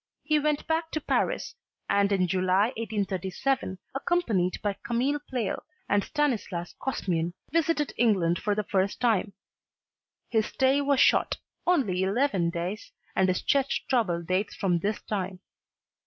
He went back to Paris, and in July 1837, accompanied by Camille Pleyel and Stanislas Kozmian, visited England for the first time. His stay was short, only eleven days, and his chest trouble dates from this time.